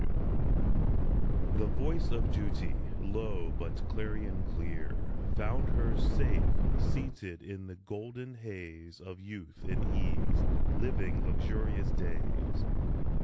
S. W. THE voice of Duty, low, but clarion clear, Found her, safe seated in the golden haze Of youth and ease, living luxurious days.